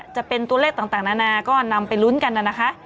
จะเป็นตัวเลขต่างนานาก็นำไปลุ้นกันนะคะ